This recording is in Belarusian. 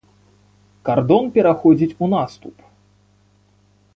Кардон пераходзіць у наступ.